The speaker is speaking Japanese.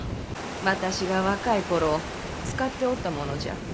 私が若い頃使っておったものじゃ。